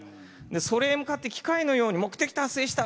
それへ向かって機械のように「目的達成した！」